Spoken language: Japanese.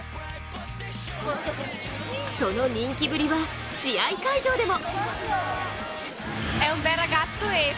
その人気ぶりは試合会場でも。